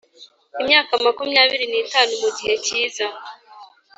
imyaka makumyabiri n itanu Mu gihe kiza